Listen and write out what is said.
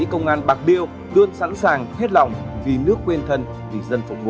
công an bạc liêu luôn sẵn sàng hết lòng vì nước quên thân vì dân phục vụ